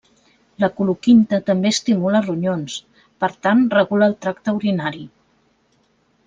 La coloquinta també estimula els ronyons, per tant regula el tracte urinari.